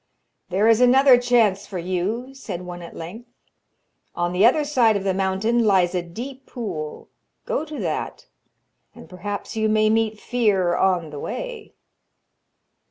'There is another chance for you,' said one at length. 'On the other side of the mountain lies a deep pool; go to that, and perhaps you may meet fear on the way.'